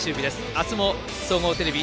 明日も総合テレビ